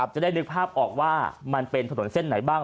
จะได้นึกภาพออกว่ามันเป็นถนนเส้นไหนบ้าง